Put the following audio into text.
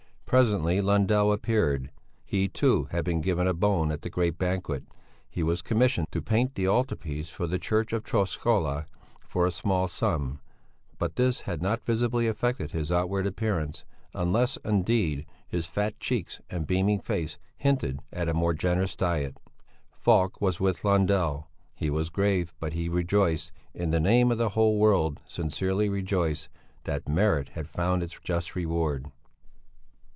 Presently Lundell appeared; he, too, had been given a bone at the great banquet; he was commissioned to paint the altar piece for the church of Träskola for a small sum; but this had not visibly affected his outward appearance, unless, indeed, his fat cheeks and beaming face hinted at a more generous diet. Falk was with Lundell. He was grave, but he rejoiced, in the name of the whole world sincerely rejoiced, that merit had found its just reward.